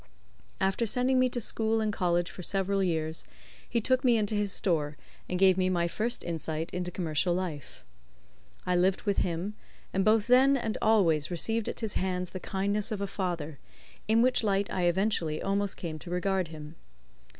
After sending me to school and college for several years, he took me into his store, and gave me my first insight into commercial life. I lived with him, and both then and always received at his hands the kindness of a father, in which light I eventually almost came to regard him.